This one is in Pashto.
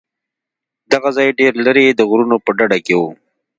دغه ځاى ډېر لرې د غرونو په ډډه کښې و.